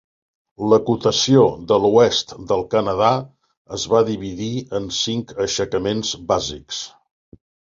L'acotació de l'Oest del Canadà es va dividir en cinc aixecaments bàsics.